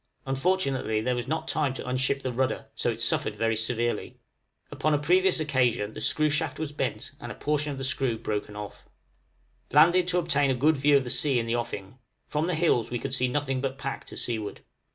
Unfortunately there was not time to unship the rudder, so it suffered very severely. Upon a previous occasion the screw shaft was bent and a portion of the screw broken off. {ROTCHIES AND GULLS.} Landed to obtain a good view of the sea in the offing; from the hills we could see nothing but pack to seaward.